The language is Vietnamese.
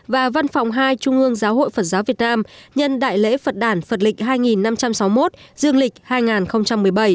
và văn phòng hai trung ương giáo hội phật giáo việt nam nhân đại lễ phật đàn phật lịch hai năm trăm sáu mươi một dương lịch hai nghìn một mươi bảy